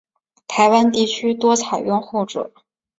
台湾地区多采用后者。